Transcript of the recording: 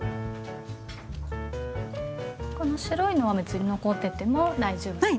この白いのは別に残ってても大丈夫ですか？